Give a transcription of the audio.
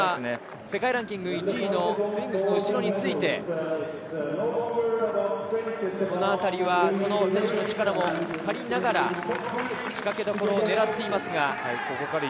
世界ランキング１位のスウィングスの後ろについて、このあたりは選手の力も借りながら、仕掛けどころを狙っています。